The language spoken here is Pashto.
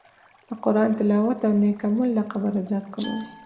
د قرآن تلاوت او نېک عمل د قبر عذاب کموي.